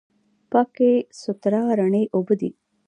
پاکې، سوتره، رڼې اوبه دي.